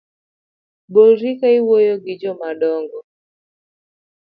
Bolri ka iwuoyo gi jomadong’o